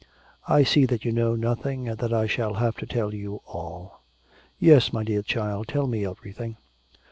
'I see that you know nothing, and that I shall have to tell you all.' 'Yes, my dear child, tell me everything.'